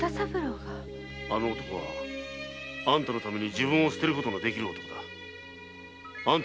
あの男はあんたの幸せのために自分を捨てることができる男だ。